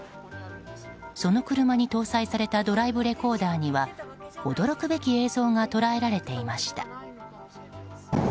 その車に搭載されたドライブレコーダーには驚くべき映像が捉えられていました。